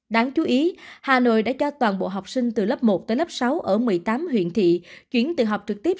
đáng chú ý hà nội đã cho toàn bộ học sinh từ lớp một tới lớp sáu ở một mươi tám huyện thị chuyển từ học trực tiếp